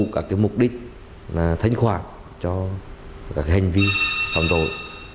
các mục đích là thanh khoản cho các hành vi phạm tội